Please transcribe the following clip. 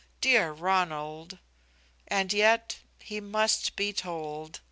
Dear Ronald; and yet he must be told.